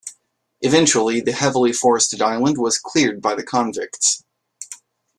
Eventually the heavily forested island was cleared by the convicts.